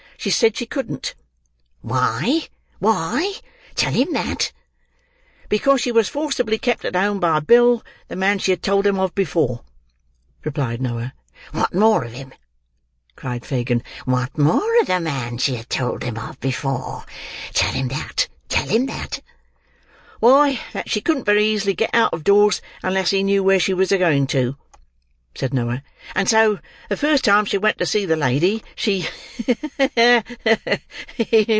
She said she couldn't." "Why—why? Tell him that." "Because she was forcibly kept at home by Bill, the man she had told them of before," replied Noah. "What more of him?" cried Fagin. "What more of the man she had told them of before? Tell him that, tell him that." "Why, that she couldn't very easily get out of doors unless he knew where she was going to," said Noah; "and so the first time she went to see the lady, she—ha! ha! ha!